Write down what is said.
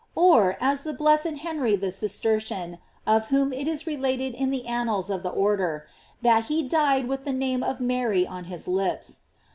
Or, as blessed Henry the Cistercian, of whom it is re lated in the annals of the order, that he died with the name of Mary on his lips.